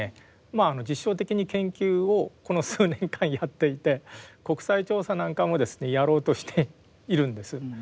まあ実証的に研究をこの数年間やっていて国際調査なんかもですねやろうとしているんです。